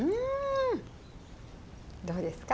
どうですか？